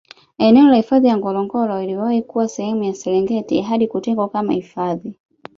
Eneo la hifadhi ya Ngorongoro liliwahi kuwa sehemu ya Serengeti hadi kutengwa kama hifadhi